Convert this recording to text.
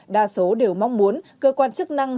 đa số đều mong muốn cơ quan chức năng